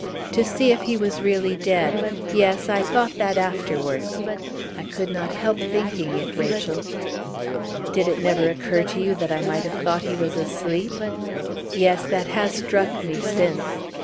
"To see if he was really dead. Yes, I thought that afterwards. I could not help thinking it, Rachel." "Did it never occur to you that I might have thought he was asleep?" "Yes, that has struck me since."